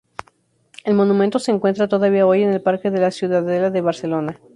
El monumento se encuentra todavía hoy en el Parque de la Ciudadela de Barcelona.